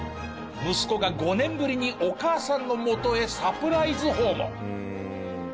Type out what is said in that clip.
息子が５年ぶりにお母さんのもとへサプライズ訪問。